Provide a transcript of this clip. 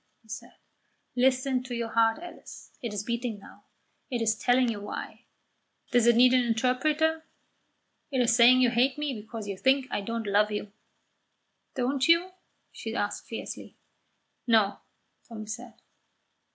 he said. "Listen to your heart, Alice; it is beating now. It is telling you why. Does it need an interpreter? It is saying you hate me because you think I don't love you." "Don't you?" she asked fiercely. "No," Tommy said.